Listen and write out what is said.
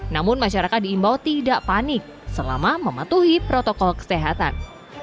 namun masyarakat diimbau tidak panik selama mematuhi protokol kesehatan